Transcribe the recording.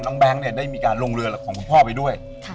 น้องแบงค์ได้มีการลงเรือของคุณพ่อไปด้วย